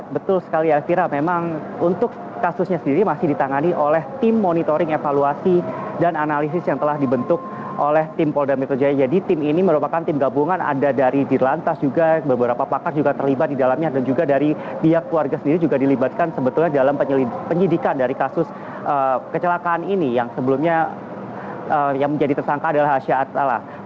betul sekali elkira memang untuk kasusnya sendiri masih ditangani oleh tim monitoring evaluasi dan analisis yang telah dibentuk oleh tim polda metro jaya jadi tim ini merupakan tim gabungan ada dari dirlantas juga beberapa pakar juga terlibat di dalamnya dan juga dari pihak keluarga sendiri juga dilibatkan sebetulnya dalam penyidikan dari kasus kecelakaan ini yang sebelumnya yang menjadi tersangka adalah hasha atala